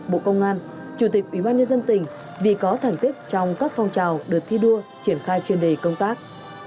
bộ công an chủ tịch ubnd dân tỉnh vì có thành tích trong các phong trào được thi đua triển khai chuyên đề công tác